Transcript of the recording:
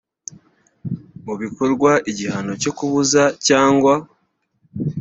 mu bikorwa igihano cyo kubuza cyangwa